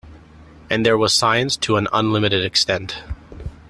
And there was science to an unlimited extent.